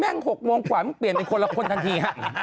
๖โมงกว่ามันเปลี่ยนเป็นคนละคนทันทีฮะ